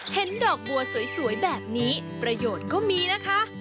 เห็นดอกบัวสวยแบบนี้ประโยชน์ก็มีนะคะ